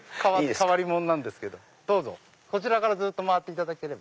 変わり者なんですけどどうぞこちらから回っていただければ。